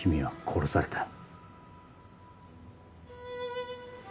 殺された。